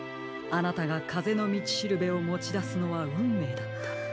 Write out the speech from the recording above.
あなたがかぜのみちしるべをもちだすのはうんめいだった。